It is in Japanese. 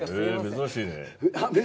珍しいね。